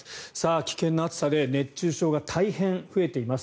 危険な暑さで熱中症が大変増えています。